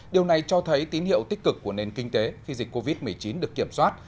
điều này cho thấy tín hiệu tích cực của nền kinh tế khi dịch covid một mươi chín được kiểm soát